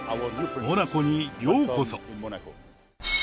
モナコにようこそ。